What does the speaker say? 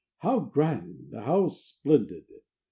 How grand! How splendid!